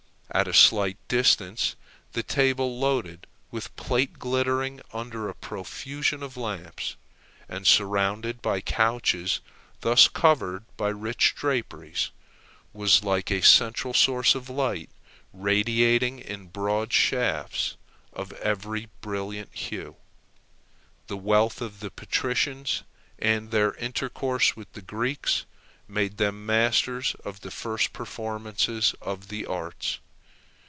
At a slight distance, the table loaded with plate glittering under a profusion of lamps, and surrounded by couches thus covered by rich draperies, was like a central source of light radiating in broad shafts of every brilliant hue. The wealth of the patricians, and their intercourse with the Greeks, made them masters of the first performances of the arts.